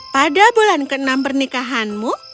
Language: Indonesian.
pada bulan keenam pernikahanmu